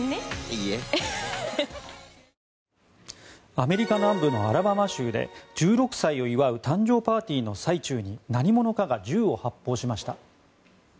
アメリカ南部のアラバマ州で１６歳を祝う誕生パーティーの最中に何者かが銃を発砲しました。